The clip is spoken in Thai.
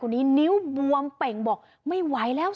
นิ้วบวมเป่งบอกไม่ไหวแล้ว